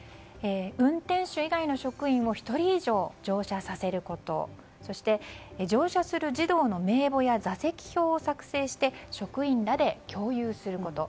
運転手以外の職員を１人以上乗車させることそして、乗車する児童の名簿や座席表を作成して職員らで共有すること。